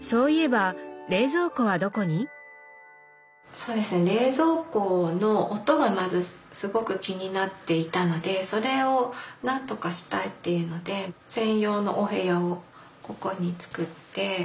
そうですね冷蔵庫の音がまずすごく気になっていたのでそれを何とかしたいっていうので専用のお部屋をここに作って。